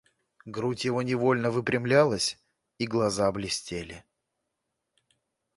Грудь его невольно выпрямлялась, и глаза блестели.